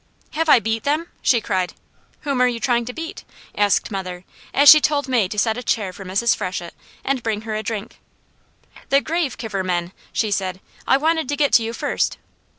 "Have I beat them?" she cried. "Whom are you trying to beat?" asked mother as she told May to set a chair for Mrs. Freshett and bring her a drink. "The grave kiver men," she said. "I wanted to get to you first."